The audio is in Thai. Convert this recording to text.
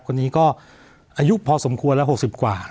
คนนี้ก็อายุพอสมควรแล้ว๖๐กว่า